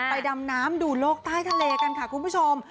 ดำน้ำดูโลกใต้ทะเลกันค่ะคุณผู้ชม